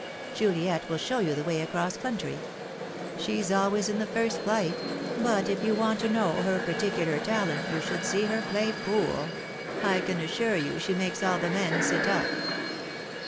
Juliet will show you the way across country. She's always in the first flight; but if you want to know her particular talent you should see her play pool. I can assure you she makes all the men sit up."